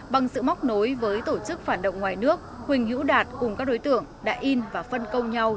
bằng sự móc nối với tổ chức phản động ngoài nước huỳnh hữu đạt cùng các đối tượng đã in và phân công nhau